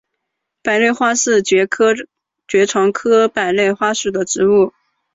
百簕花是爵床科百簕花属的植物。